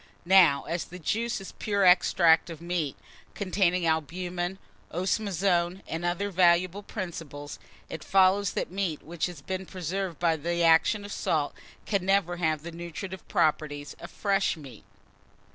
Now, as this juice is pure extract of meat, containing albumen, osmazome, and other valuable principles, it follows that meat which has been preserved by the action of salt can never have the nutritive properties of fresh meat.